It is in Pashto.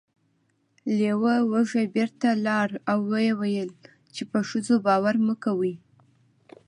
لیوه وږی بیرته لاړ او و یې ویل چې په ښځو باور مه کوئ.